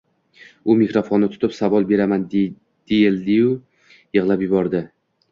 U mikrafonni tutib savol beraman deyliyu, yig’lab yuboradi